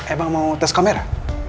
emang mau tes kamera